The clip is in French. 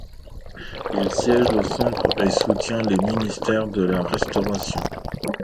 Il siège au centre et soutient les ministères de la Restauration.